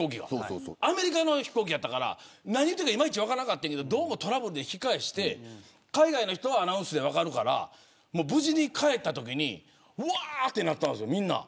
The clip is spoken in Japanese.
アメリカの飛行機だから何言ってるかいまいち分からなかったけどどうもトラブルで引き返してて海外の人はアナウンスで分かるから無事に帰ったときにみんなうわーってなったんです。